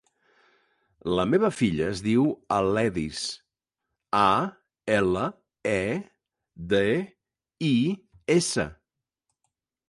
La meva filla es diu Aledis: a, ela, e, de, i, essa.